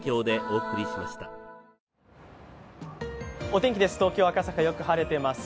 お天気です。